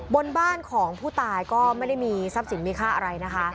บนบ้านของผู้ตายก็ไม่ได้มีทรัพย์สินมีค่าอะไรนะคะ